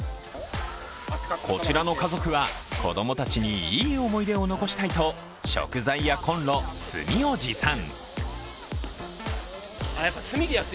こちらの家族は子供たちにいい思い出を残したいと食材やこんろ、炭を持参。